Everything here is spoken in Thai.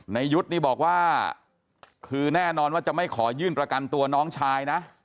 ยุทธ์นี่บอกว่าคือแน่นอนว่าจะไม่ขอยื่นประกันตัวน้องชายนะ